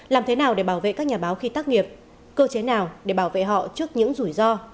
làm thế nào để bảo vệ các nhà báo khi tác nghiệp cơ chế nào để bảo vệ họ trước những rủi ro